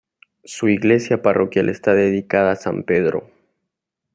Su iglesia parroquial está dedicada a San Pedro.